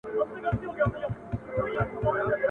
نه یې هیله د آزادو الوتلو ..